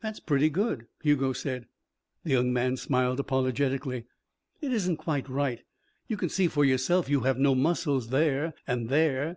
"That's pretty good," Hugo said. The young man smiled apologetically. "It isn't quite right. You can see for yourself you have no muscles there and there.